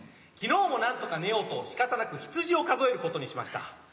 昨日もなんとか寝ようとしかたなく羊を数えることにしました。